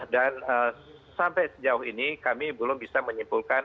sampai sejauh ini kami belum bisa menyimpulkan